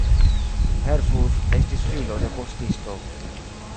Herfurth estis filo de postisto.